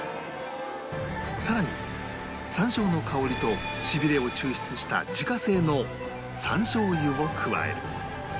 さらに山椒の香りとしびれを抽出した自家製の山椒油を加える